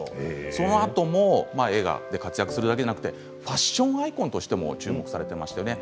そのあとも映画で活躍するだけではなくてファッションアイコンとしても注目されていましたね。